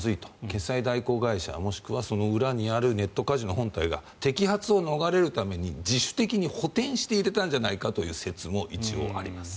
決済代行会社もしくはその裏にあるネットカジノが摘発を逃れるために自主的に補てんして入れたんじゃないかという説も一応あります。